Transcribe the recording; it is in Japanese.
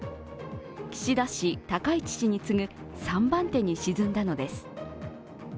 岸田氏、高市氏に次ぐ３番手に沈んだのです。